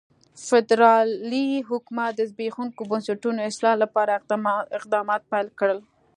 فدرالي حکومت د زبېښونکو بنسټونو اصلاح لپاره اقدامات پیل کړل.